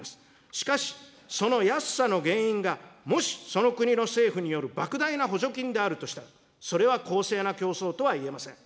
しかし、安さの原因が、もしその国の政府によるばく大な補助金であるとしたら、それは公正な競争とはいえません。